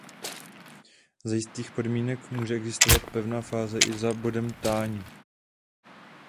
Za jistých podmínek může existovat pevná fáze i za bodem tání.